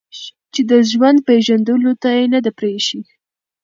چې د ژوند پېژندلو ته يې نه ده پرېښې